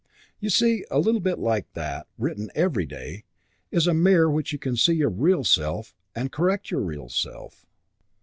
You see, a little bit like that, written every day, is a mirror in which you can see your real self and correct your real self.